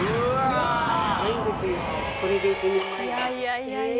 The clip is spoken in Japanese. いやいや。